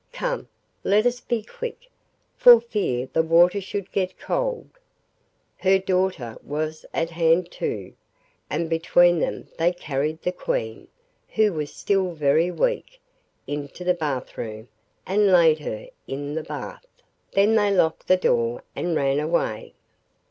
Come, let us be quick, for fear the water should get cold.' Her daughter was at hand, too, and between them they carried the Queen, who was still very weak, into the bath room and laid her in the bath; then they locked the door and ran away.